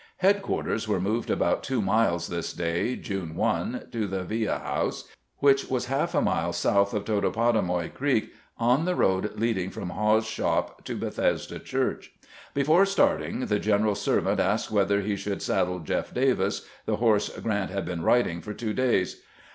Headquarters were moved about two miles this day, June 1, to the Via House, which was half a mile south of Totopotomoy Creek on the road leading from Haw's Shop to Bethesda Church. Before starting, the general's servant asked whether he should saddle "Jeff Davis," the horse Grant had been riding for two days.